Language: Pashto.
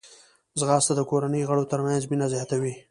ځغاسته د کورنۍ غړو ترمنځ مینه زیاتوي